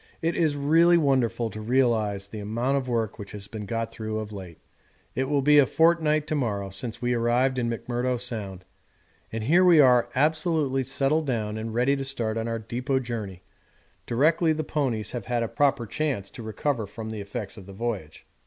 It is really wonderful to realise the amount of work which has been got through of late. It will be a fortnight to morrow since we arrived in McMurdo Sound, and here we are absolutely settled down and ready to start on our depôt journey directly the ponies have had a proper chance to recover from the effects of the voyage.